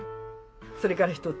それから一つ。